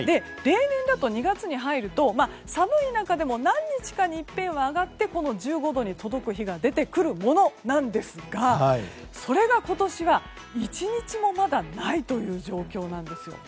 例年だと２月に入ると寒い中でも何日かにいっぺんは上がって１５度に届く日が出てくるものなんですがそれが今年は１日もまだないという状況なんです。